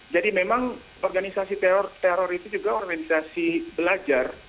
jadi memang organisasi teror itu juga organisasi belajar